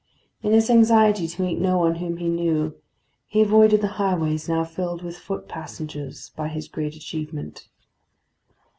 In his anxiety to meet no one whom he knew, he avoided the highways now filled with foot passengers by his great achievement.